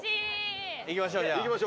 行きましょう。